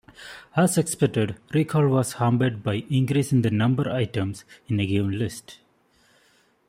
As expected, recall was hampered by increasing the number items in a given list.